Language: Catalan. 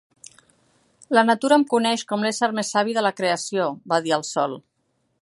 "La natura em coneix com l'ésser més savi de la creació", va dir el sol.